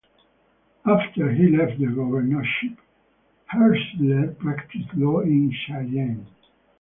After he left the governorship, Herschler practiced law in Cheyenne.